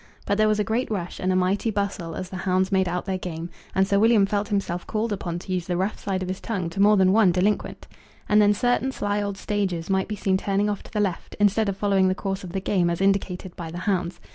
But there was a great rush and a mighty bustle as the hounds made out their game, and Sir William felt himself called upon to use the rough side of his tongue to more than one delinquent. And then certain sly old stagers might be seen turning off to the left, instead of following the course of the game as indicated by the hounds.